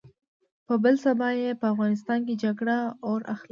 په بل سبا يې په افغانستان کې جګړه اور اخلي.